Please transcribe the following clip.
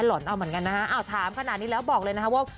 ห่อนเอาเหมือนกันนะฮะอ้าวถามขนาดนี้แล้วบอกเลยนะคะว่า